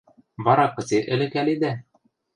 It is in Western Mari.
Вара кыце ӹлӹкӓледӓ?